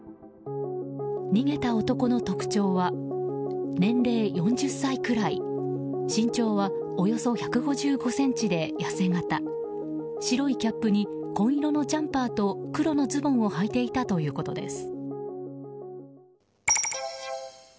逃げた男の特徴は年齢４０歳くらい身長はおよそ１５５ｃｍで痩せ形白いキャップに紺色のジャンパーと黒のズボンをはいていたということです。